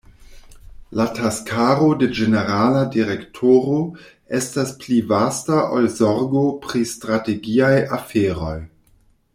La taskaro de Ĝenerala Direktoro estas pli vasta ol zorgo pri strategiaj aferoj.